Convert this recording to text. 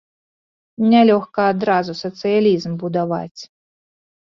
Нялёгка адразу сацыялізм будаваць.